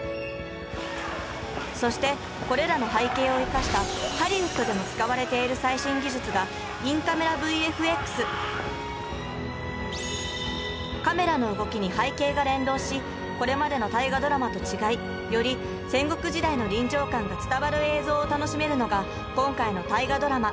そしてこれらの背景を生かしたハリウッドでも使われているカメラの動きに背景が連動しこれまでの「大河ドラマ」と違いより戦国時代の臨場感が伝わる映像を楽しめるのが今回の大河ドラマ